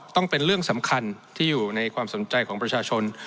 เป็นเรื่องสำคัญที่อยู่ในความสนใจของประชาชน